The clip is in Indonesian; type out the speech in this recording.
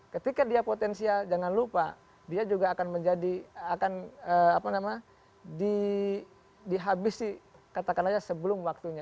ketika dia potensial jangan lupa dia juga akan menjadi akan dihabisi katakan aja sebelum waktunya